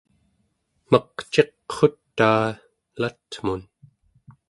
meq ciqrutaa elatmun